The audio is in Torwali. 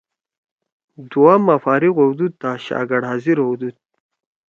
دعا ما فارغ ہؤدُودتا شاگڑ حاضر ہؤدُود